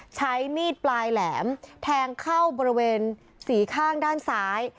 ใช้มีดปลายแหลมแทงเข้าบริเวณสีข้างด้านซ้าย